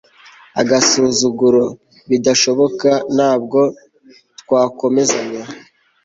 agasuzuguro, bidashoboka! ntabwo twakomezanya